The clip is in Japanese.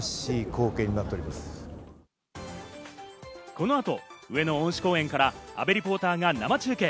この後、上野恩賜公園から阿部リポーターが生中継。